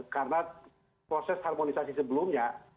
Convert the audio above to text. karena proses harmonisasi sebelumnya